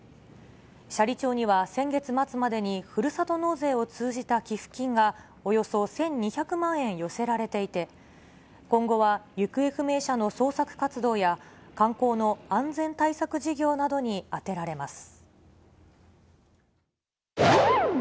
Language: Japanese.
斜里町には先月末までに、ふるさと納税を通じた寄付金が、およそ１２００万円寄せられていて、今後は、行方不明者の捜索活動や、観光の安全対策事業などに充てられます。